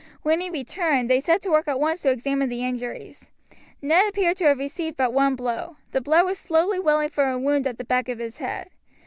When he returned they set to work at once to examine the injuries. Ned appeared to have received but one blow. The blood was slowly welling from a wound at the back of his head.